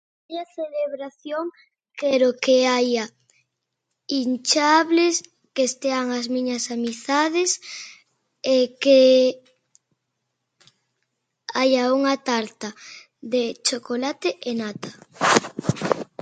Na miña celebración quero que haia inchables, que estean as miñas amizades e que haia unha tarta de chocolate e nata.